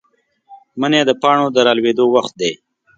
منی د پاڼو د رالوېدو وخت دی.